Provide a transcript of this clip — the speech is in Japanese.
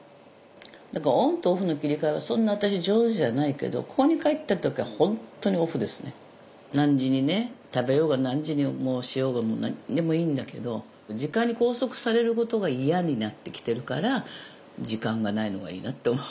だからオンとオフの切り替えはそんな私上手じゃないけど何時にね食べようが何時にもうしようがもう何でもいいんだけど時間に拘束されることが嫌になってきてるから時間が無いのがいいなって思うね。